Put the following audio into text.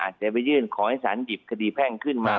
จะไปยื่นขอให้สารหยิบคดีแพ่งขึ้นมา